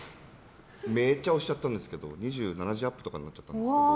めっちゃ押しちゃって２７時アップとかになっちゃったんですけど。